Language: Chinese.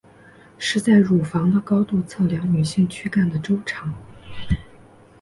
是在乳房的高度测量女性躯干的周长。